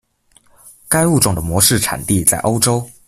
该物种的模式产地在欧洲。